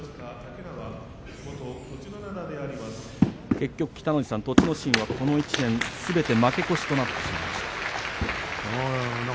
結局、栃ノ心はこの１年すべて負け越しとなってしまいました。